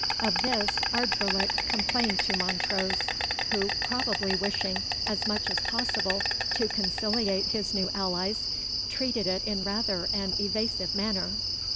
Of this Ardvoirlich complained to Montrose, who, probably wishing as much as possible to conciliate his new allies, treated it in rather an evasive manner.